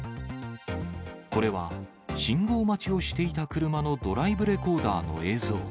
これは、信号待ちをしていた車のドライブレコーダーの映像。